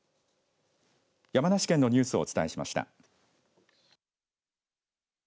山梨県のニュースをお伝えしました。